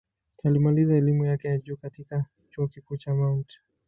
Alimaliza elimu yake ya juu katika Chuo Kikuu cha Mt.